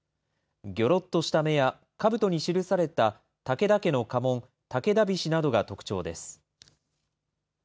ぎょろっとした目やかぶとに記された武田家の家紋、武田菱などが特徴です。